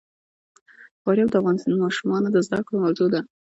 فاریاب د افغان ماشومانو د زده کړې موضوع ده.